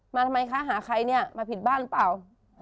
มาแต่ไม่ค้าหาใครนี่มาผิดบ้านป่าว